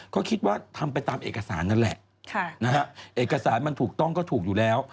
ก็คิดว่าทำไปตามเอกสารนั่นแหละเอกสารมันถูกต้องก็ถูกอยู่แล้ว